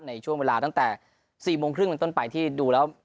ในช่วงเวลาตั้งแต่๔โมงครึ่งเป็นต้นไปที่ดูแล้ว